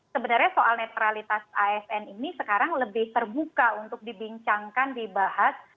sebenarnya soal netralitas asn ini sekarang lebih terbuka untuk dibincangkan dibahas